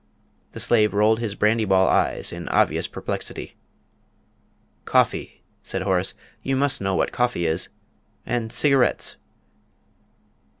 The slave rolled his brandy ball eyes in obvious perplexity. "Coffee," said Horace; "you must know what coffee is. And cigarettes.